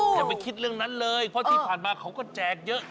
อย่าไปคิดเรื่องนั้นเลยเพราะที่ผ่านมาเขาก็แจกเยอะ